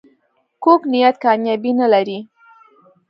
کوږ نیت کامیابي نه لري